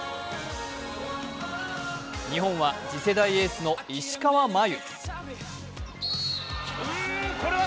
日本は次世代のエースの石川真佑。